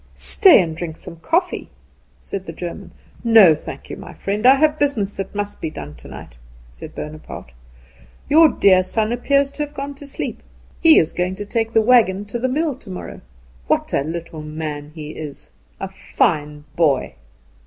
"Stay and drink some coffee," said the German. "No, thank you, my friend; I have business that must be done tonight," said Bonaparte. "Your dear son appears to have gone to sleep. He is going to take the wagon to the mill tomorrow! What a little man he is." "A fine boy."